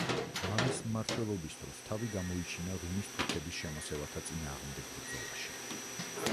მამის მმართველობის დროს თავი გამოიჩინა რუმის თურქების შემოსევათა წინააღმდეგ ბრძოლაში.